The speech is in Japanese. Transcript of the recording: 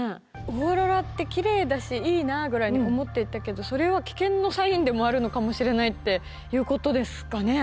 オーロラってきれいだしいいなあぐらいに思っていたけどそれは危険のサインでもあるのかもしれないっていうことですかね？